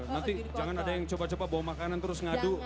nanti jangan ada yang coba coba bawa makanan terus ngadu